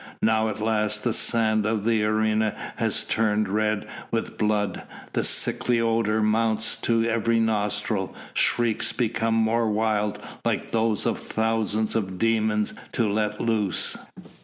Now at last the sand of the arena has turned red with blood, the sickly odour mounts to every nostril; shrieks become more wild, like those of thousands of demons let loose.